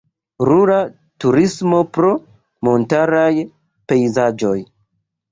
Rura turismo pro montaraj pejzaĝoj.